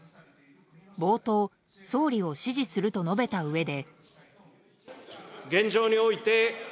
冒頭、総理を支持すると述べたうえで。